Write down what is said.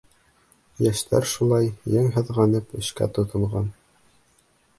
Йәштәр шулай ең һыҙғанып эшкә тотонған.